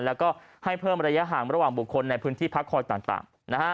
แล้วก็ให้เพิ่มระยะห่างระหว่างบุคคลในพื้นที่พักคอยต่าง